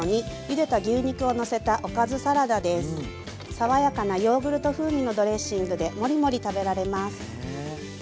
爽やかなヨーグルト風味のドレッシングでモリモリ食べられます。